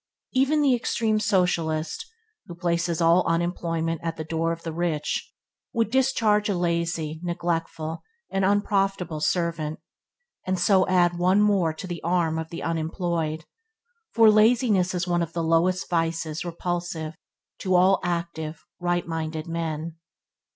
Even the extreme Socialist, who places all unemployment, at the door of the rich, would discharge a lazy, neglectful and unprofitable servant, and so add one more to the arm of the unemployed; for laziness is one of the lowest vices repulsive to all active, right minded men.